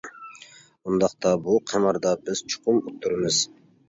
ئۇنداقتا، بۇ قىماردا بىز چوقۇم ئۇتتۇرىمىز.